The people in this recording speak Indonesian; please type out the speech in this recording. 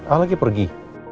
al lagi pergi